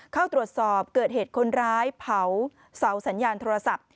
เข้าตรวจสอบเกิดเหตุคนร้ายเผาเสาสัญญาณโทรศัพท์